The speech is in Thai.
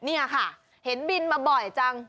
นี่ค่ะเห็นบินมาบ่อยจัง